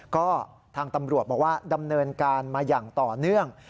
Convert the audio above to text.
ก็ทางตำรวจบอกว่าดำเนินการมาอย่างต่อเนื่อง